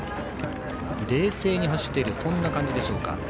冷静に走っているという感じでしょうか。